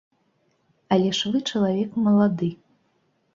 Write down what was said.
Але ж вы чалавек малады.